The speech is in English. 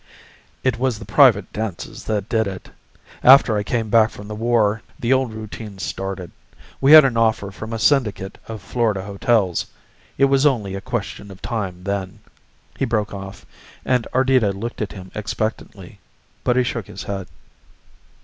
"It was the private dances that did it. After I came back from the war the old routine started. We had an offer from a syndicate of Florida hotels. It was only a question of time then." He broke off and Ardita looked at him expectantly, but he shook his head.